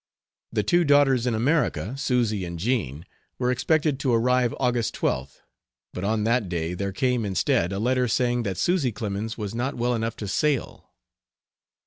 The two daughters in America, Susy and Jean, were expected to arrive August 12th, but on that day there came, instead, a letter saying that Susy Clemens was not well enough to sail.